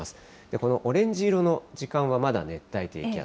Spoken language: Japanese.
このオレンジ色の時間は、まだ熱帯低気圧。